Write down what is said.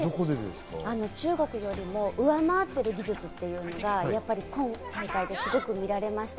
中国よりも上回っている技術っていうのが今大会ですごく見られました。